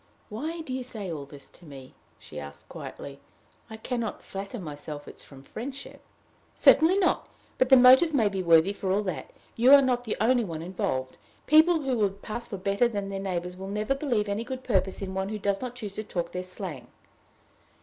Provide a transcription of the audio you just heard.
"Why do you say all this to me?" she asked, quietly. "I can not flatter myself it is from friendship." "Certainly not. But the motive may be worthy, for all that. You are not the only one involved. People who would pass for better than their neighbors will never believe any good purpose in one who does not choose to talk their slang."